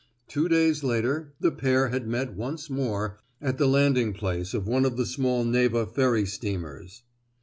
Two days later the pair had met once more at the landing place of one of the small Neva ferry steamers.